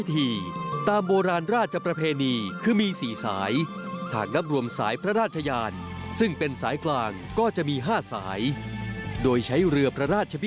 ติดตามพร้อมกันเลยครับ